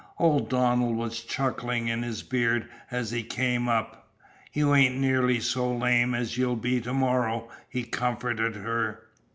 Old Donald was chuckling in his beard as he came up. "You ain't nearly so lame as you'll be to morrow," he comforted her.